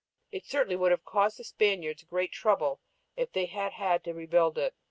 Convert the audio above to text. It certainly would have caused the Spaniards "great trouble" if they had had to rebuild it.